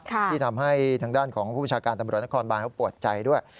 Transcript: ที่ทำให้ทางด้านของผู้ประชาการตำรวจนครบานเขาปวดใจด้วย